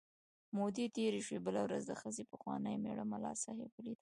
مودې تېرې شوې، بله ورځ د ښځې پخواني مېړه ملا صاحب ولید.